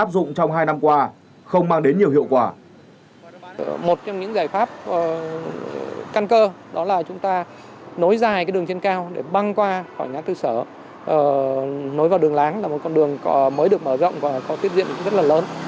một trong những giải pháp căn cơ đó là chúng ta nối dài cái đường trên cao để băng qua khỏi ngã tư sở nối vào đường láng là một con đường mới được mở rộng và có tiết diện rất là lớn